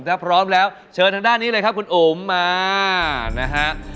ถ้าพร้อมแล้วเชิญทางด้านนี้เลยครับคุณอุ๋มมานะฮะ